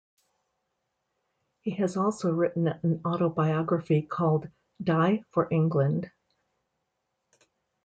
He has also written an autobiography called "Dai for England".